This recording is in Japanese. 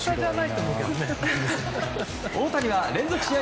大谷は連続試合